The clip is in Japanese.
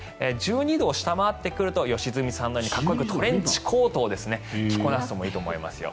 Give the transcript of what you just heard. １２度を下回ってくると良純さんのようにかっこよくトレンチコートを着こなすのもいいと思いますよ。